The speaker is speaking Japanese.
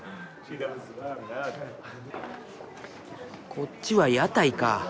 こっちは屋台か。